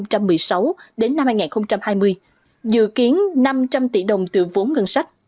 từ năm hai nghìn một mươi sáu đến năm hai nghìn hai mươi dự kiến năm trăm linh tỷ đồng từ vốn ngân sách